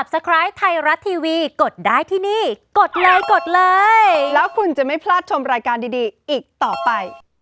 ดูสถาบก์ออกแล้วก็สิวผันเนอะ